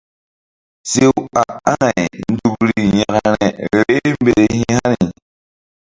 Sew a aŋay nzukri yȩkre vbeh mbete hi̧ hani.